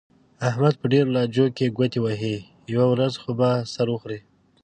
احمد په ډېرو لانجو کې ګوتې وهي، یوه ورځ خو به سر وخوري.